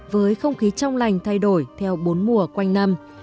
với không khí trong lành thay đổi theo bốn mùa quanh năm